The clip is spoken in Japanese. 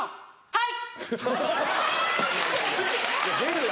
「はい！